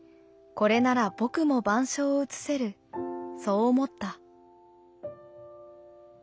『これなら僕も板書を写せる』そう思った」。